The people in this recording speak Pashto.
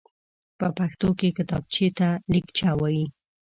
په پښتو کې کتابچېته ليکچه وايي.